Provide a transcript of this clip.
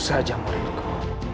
mas rasha tunggu